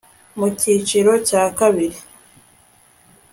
mu cyiciro cya kabiri